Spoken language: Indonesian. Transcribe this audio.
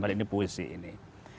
hal ini puisi ini